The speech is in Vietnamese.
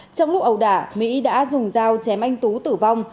trong lúc ẩu đả mỹ đã dùng dao chém anh tú tử vong